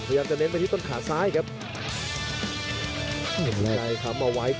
พยายามจะเน้นไปที่ต้นขาซ้ายครับ